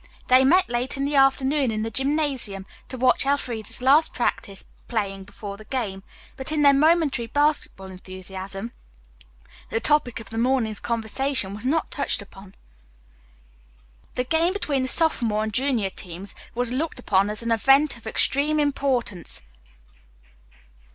They met late in the afternoon in the gymnasium to watch Elfreda's last practice playing before the game, but in their momentary basketball enthusiasm the topic of the morning's conversation was not touched upon. The game between the sophomore and junior teams was looked upon as an event of extreme importance.